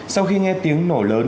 sau khi nghe tiếng nổ lớn